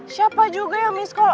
siapa juga ya miss call